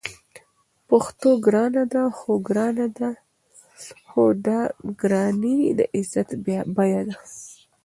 پښتو ګرانه ده؟ هو، ګرانه ده؛ خو دا ګرانی د عزت بیه ده